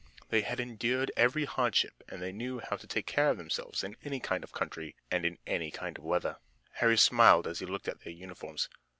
They had endured every hardship and they knew how to take care of themselves in any kind of country and in any kind of weather. Harry smiled as he looked at their uniforms.